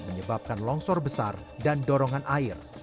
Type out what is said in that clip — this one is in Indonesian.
menyebabkan longsor besar dan dorongan air